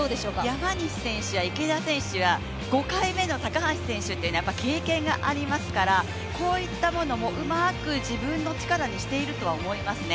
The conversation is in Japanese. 山西選手や池田選手、５回目の高橋選手ってやっぱり経験がありますからこういったものもうまく自分の力にしていると思いますね。